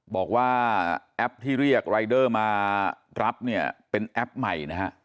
บอกว่าแอปที่เรียกรายเดอร์มารับเนี่ยเป็นแอปใหม่นะฮะ